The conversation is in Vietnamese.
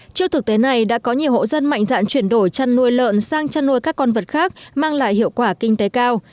trước thực tế này đã có nhiều hộ dân mạnh dạn chuyển đổi chăn nuôi lợn sang chăn nuôi các con vật khác mang lại hiệu quả kinh tế cao